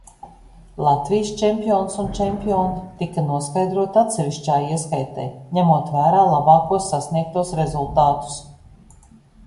Latvijas čempions un čempione tika noskaidroti atsevišķā ieskaitē, ņemot vērā labākos sasniegtos rezultātus.